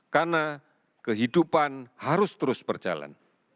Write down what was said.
karena kehidupan harus terus berjalan